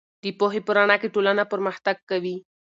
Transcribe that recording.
د پوهې په رڼا کې ټولنه پرمختګ کوي.